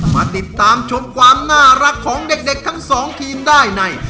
มาติดตามชมความน่ารักของเด็กทั้งสองทีมได้ใน